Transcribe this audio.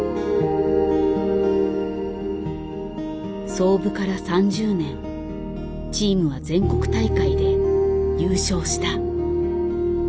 創部から３０年チームは全国大会で優勝した。